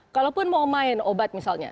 kalaupun mau main obat misalnya